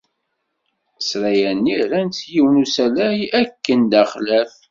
Ssṛaya-nni rran-tt d yiwen usalay akken d axlaf.